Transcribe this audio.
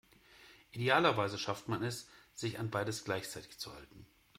Idealerweise schafft man es, sich an beides gleichzeitig zu halten.